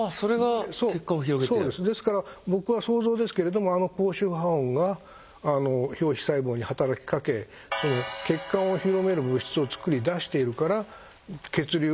ですから僕は想像ですけれどもあの高周波音が表皮細胞に働きかけ血管を広める物質を作り出しているから血流が良くなる。